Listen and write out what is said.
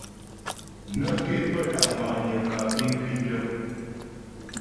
Nə́ ké pə́ da' ŋwa'nyə kǎ piŋ kwǐtə.